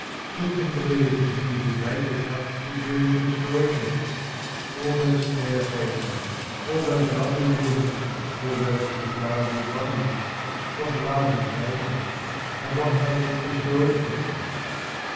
Who can believe that He who made the cup would dream of destroying it ? All those fair faces, all those lovely limbs, all those desirable bodies, what love has made them, and what hate destroys them